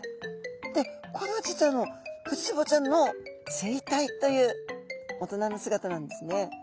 でこれは実はあのフジツボちゃんの成体という大人の姿なんですね。